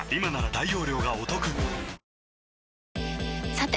さて！